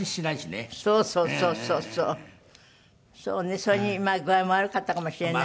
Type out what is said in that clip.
それに具合も悪かったかもしれない。